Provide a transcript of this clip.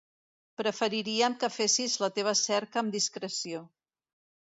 Preferiríem que fessis la teva cerca amb discreció.